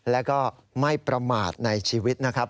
แล้วก็ไม่ประมาทในชีวิตนะครับ